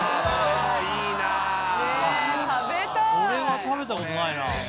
これは食べたことないな。